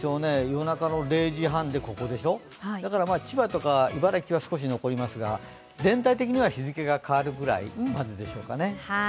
夜中の０時半でここでしょ、だから千葉とか茨城は少し残りますけど全体的には日付が変わるくらいまででしょうかね。